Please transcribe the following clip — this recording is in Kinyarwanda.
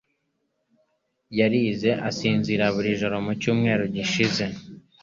yarize asinzira buri joro mu cyumweru gishize.